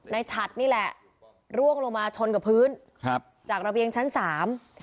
ฉัดนี่แหละร่วงลงมาชนกับพื้นครับจากระเบียงชั้นสาม